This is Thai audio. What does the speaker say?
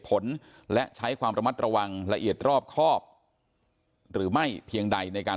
ผลและใช้ความระมัดระวังละเอียดรอบครอบหรือไม่เพียงใดในการ